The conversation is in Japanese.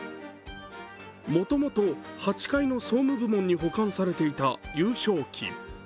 もともと８階の総務部門に保管されていた優勝旗。